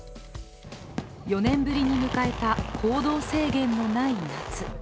４年ぶりに迎えた行動制限のない夏。